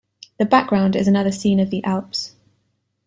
The background is another scene of the Alps.